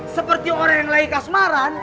seperti orang yang lagi kasmaran